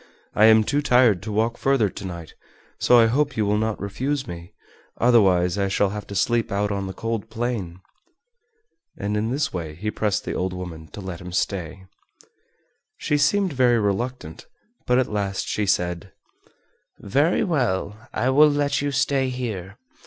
I am too tired to walk further to night, so I hope you will not refuse me, otherwise I shall have to sleep out on the cold plain." And in this way he pressed the old woman to let him stay. She seemed very reluctant, but at last she said: "Very well, I will let you stay here.